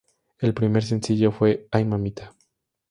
El primer sencillo fue "Hay Mamita".